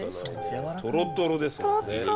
トロトロですもんね。